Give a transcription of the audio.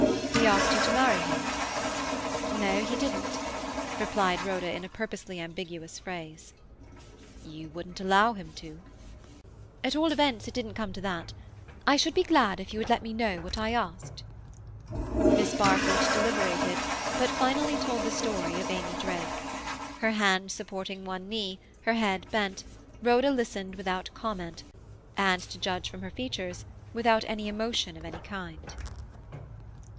He asked you to marry him?" "No, he didn't," replied Rhoda in purposely ambiguous phrase. "You wouldn't allow him to?" "At all events, it didn't come to that. I should be glad if you would let me know what I asked." Miss Barfoot deliberated, but finally told the story of Amy Drake. Her hands supporting one knee, her head bent, Rhoda listened without comment, and, to judge from her features, without any emotion of any kind.